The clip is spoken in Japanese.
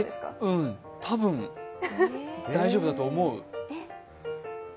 うん、多分、大丈夫だと思う。